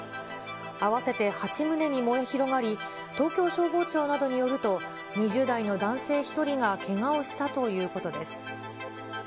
合わせて８棟に燃え広がり、東京消防庁などによると、２０代の男性１人がけがをしたということです。